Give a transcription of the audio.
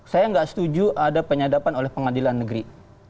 saya nggak setuju ada penyadapan oleh pengadilan negeri